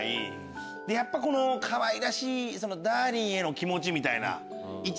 やっぱこのかわいらしいダーリンへの気持ち。